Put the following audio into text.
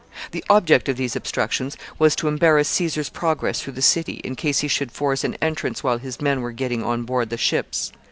The object of these obstructions was to embarrass Caesar's progress through the city in case he should force an entrance while his men were getting on board the ships.